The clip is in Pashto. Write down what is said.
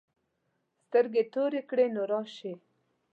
سترګې تورې کړې نو راشې.